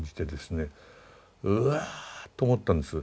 うわあと思ったんです。